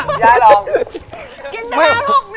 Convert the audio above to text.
กินได้๖นาง